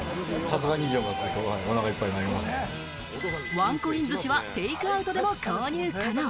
ワンコイン寿司はテイクアウトでも購入可能。